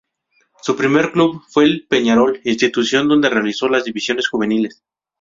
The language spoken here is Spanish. Su primer club fue el Peñarol, institución donde realizó las divisiones juveniles.